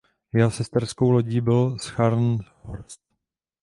Jeho sesterskou lodí byl Scharnhorst.